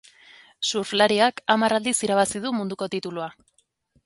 Surflariak hamar aldiz irabazi du munduko titulua.